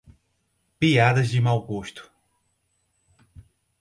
Piadas de mau gosto